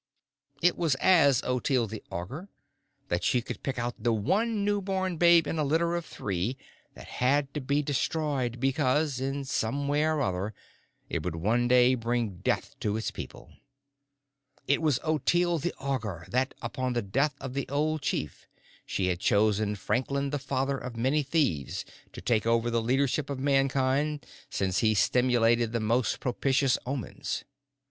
It was as Ottilie the Augur that she could pick out the one new born babe in a litter of three that had to be destroyed because, in some way or other, it would one day bring death to its people. It was as Ottilie the Augur that, upon the death of the old chief, she had chosen Franklin the Father of Many Thieves to take over the leadership of Mankind since he stimulated the most propitious omens.